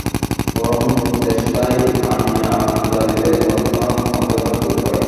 বরং দেশলাই আনিয়া আলো জ্বালিলে তৎক্ষণাৎ অন্ধকার দূর হয়।